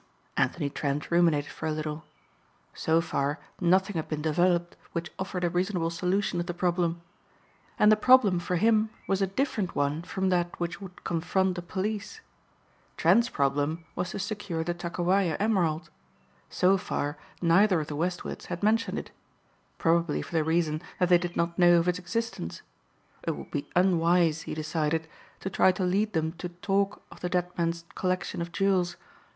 Anthony Trent ruminated for a little. So far nothing had been developed which offered a reasonable solution of the problem. And the problem for him was a different one from that which would confront the police. Trent's problem was to secure the Takowaja emerald. So far neither of the Westwards had mentioned it. Probably for the reason that they did not know of its existence. It would be unwise, he decided, to try to lead them to talk of the dead man's collection of jewels.